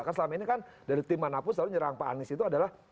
kan selama ini kan dari tim manapun selalu nyerang pak anies itu adalah